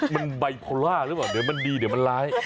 มันไบโพล่าหรือเปล่าเดี๋ยวมันดีเดี๋ยวมันร้าย